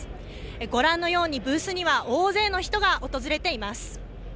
ご覧のように、ブースには大勢の人が訪れています。